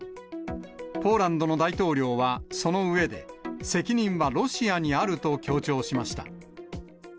ポーランドの大統領はその上で、責任はロシアにあると強調しました。